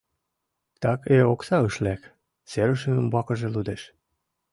— «...Так и окса ыш лек, — серышым умбакыже лудеш.